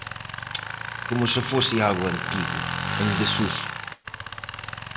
Como se fose algo antigo, en desuso.